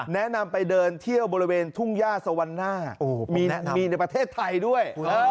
แนะนำไปเดินเที่ยวบริเวณทุ่งย่าสวรรณามีในประเทศไทยด้วย